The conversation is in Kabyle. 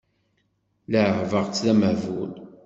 Leεbeɣ-tt d amehbul.